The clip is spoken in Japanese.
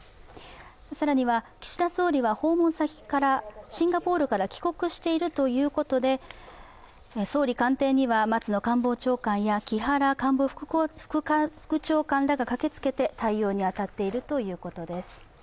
更には岸田総理は訪問先のシンガポールから帰国しているということで総理官邸には松野官房長官や木原官房副長官らが駆けつけて対応に当たっているということです。